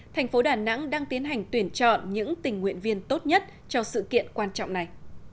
thành phố đà nẵng đang tiến hành tuyển chọn những tình nguyện viên tốt nhất cho sự kiện quan trọng này